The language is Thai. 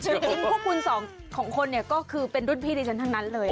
จริงพวกคุณสองคนของคนเนี่ยก็คือเป็นรุ่นพี่ที่ฉันทั้งนั้นเลย